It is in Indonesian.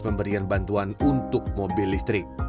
pemberian bantuan untuk mobil listrik